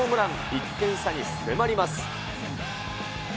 １点差に迫ります。